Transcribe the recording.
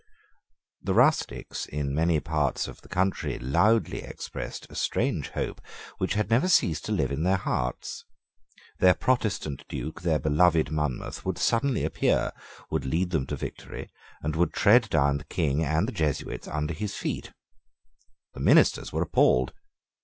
The rustics in many parts of the country loudly expressed a strange hope which had never ceased to live in their hearts. Their Protestant Duke, their beloved Monmouth, would suddenly appear, would lead them to victory, and would tread down the King and the Jesuits under his feet. The ministers were appalled.